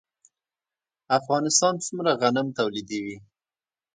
افغانستان څومره غنم تولیدوي؟